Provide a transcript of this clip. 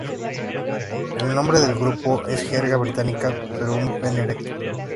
El nombre del grupo es jerga británica para un pene erecto.